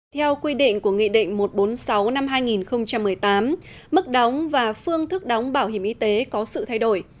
theo quy định của nghị định một trăm bốn mươi sáu năm hai nghìn một mươi tám mức đóng và phương thức đóng bảo hiểm y tế có sự thay đổi